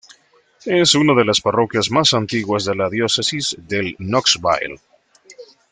Es una de las parroquias más antiguas de la diócesis de Knoxville.